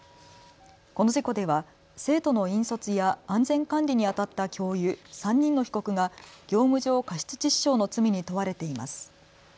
この事故では生徒の引率や安全管理にあたった教諭３人の被告が業務上過失致死傷の罪に問われています。